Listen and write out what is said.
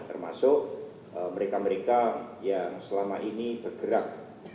termasuk mereka mereka yang selama ini bergerak